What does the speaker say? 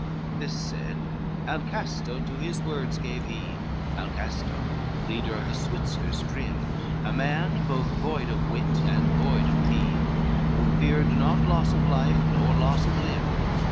XXIV This said, Alcasto to his words gave heed, Alcasto leader of the Switzers grim, A man both void of wit and void of dreed, Who feared not loss of life nor loss of limb.